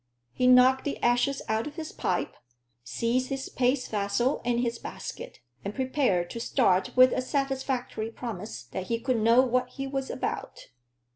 He knocked the ashes out of his pipe, seized his paste vessel and his basket, and prepared to start with a satisfactory promise that he could know what he was about.